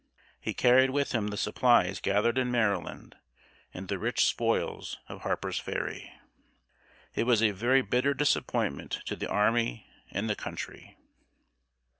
He carried with him the supplies gathered in Maryland and the rich spoils of Harper's Ferry. It was a very bitter disappointment to the army and the country.